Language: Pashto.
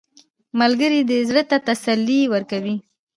ملګری د زړه ته تسلي ورکوي